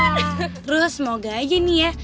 terus semoga aja nih ya